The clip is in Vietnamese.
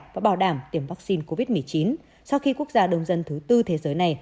và bảo đảm tiêm vaccine covid một mươi chín sau khi quốc gia đông dân thứ tư thế giới này